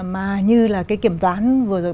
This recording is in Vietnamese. mà như là cái kiểm toán vừa rồi